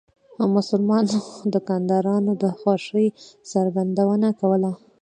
مسلمانو دکاندارانو د خوښۍ څرګندونه کوله.